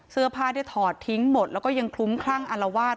เสื้อผ้าที่ถอดทิ้งหมดแล้วก็ยังคลุ้มคลั่งอารวาส